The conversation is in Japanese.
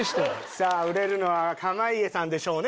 「さぁ売れるのは濱家さんでしょうね」。